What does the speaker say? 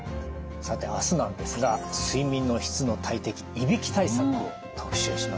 さて明日なんですが睡眠の質の大敵いびき対策を特集します。